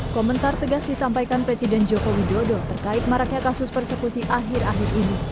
komentar tegas disampaikan presiden joko widodo terkait maraknya kasus persekusi akhir akhir ini